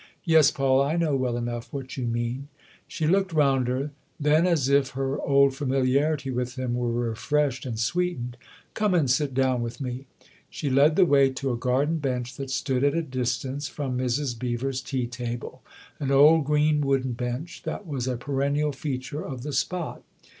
" Yes, Paul, I know well enough what you mean." She looked round her; then, as if her old familiarity with him were refreshed and sweetened :" Come and sit down with me." She led the way to a garden bench that stood at a distance from Mrs. Beever's tea table, an old green wooden bench that was a perennial feature of the spot.